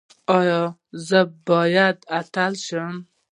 ایا زه باید اتل شم؟